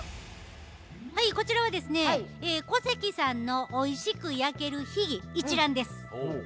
はいこちらはですね小関さんのおいしく焼ける秘技一覧です。